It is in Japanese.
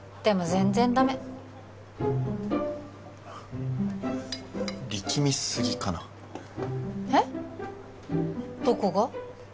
全然ダメ力みすぎかなえっどこが？